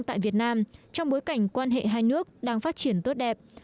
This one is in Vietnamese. tại việt nam trong bối cảnh quan hệ hai nước đang phát triển tốt đẹp